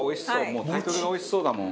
もうタイトルがおいしそうだもん。